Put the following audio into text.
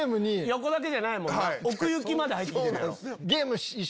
横だけじゃないもんな奥行きまで入ってきてるやろ。